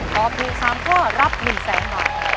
ตอบถูก๓ข้อรับ๑แสนบาท